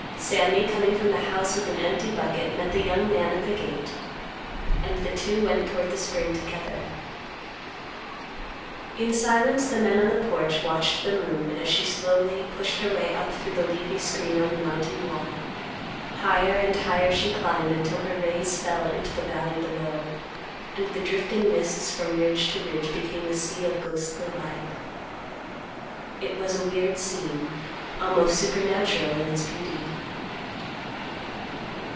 Sammy coming from the house with an empty bucket met the young man at the gate, and the two went toward the spring together. In silence the men on the porch watched the moon as she slowly pushed her way up through the leafy screen on the mountain wall. Higher and higher she climbed until her rays fell into the valley below, and the drifting mists from ridge to ridge became a sea of ghostly light. It was a weird scene, almost supernatural in its beauty.